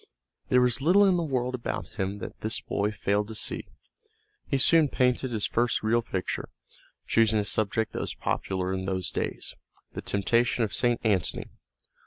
There was little in the world about him that this boy failed to see. He soon painted his first real picture, choosing a subject that was popular in those days, the temptation of St. Antony.